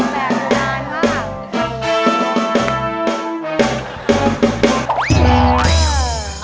แบบนานค่ะ